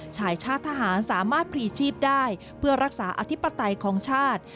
ชายชาติทหารสามารถพลีชีพได้เพื่อรักษาอธิปไตยของชาติ